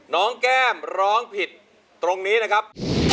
แก้มร้องผิดตรงนี้นะครับ